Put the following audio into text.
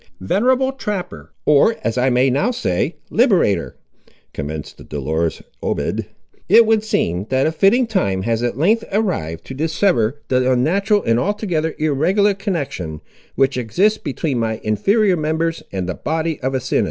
"Venerable trapper, or, as I may now say, liberator," commenced the dolorous Obed, "it would seem, that a fitting time has at length arrived to dissever the unnatural and altogether irregular connection, which exists between my inferior members and the body of Asinus.